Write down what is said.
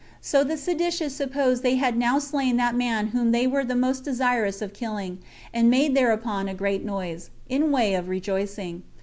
So the seditious supposed they had now slain that man whom they were the most desirous of killing, and made thereupon a great noise, in way of rejoicing.